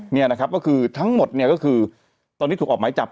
นี่นะครับก็คือทั้งหมดเนี่ยก็คือตอนนี้ถูกออกหมายจับ